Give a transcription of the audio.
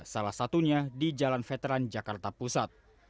salah satunya di jalan veteran jakarta pusat